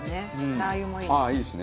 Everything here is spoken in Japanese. ラー油もいいですね。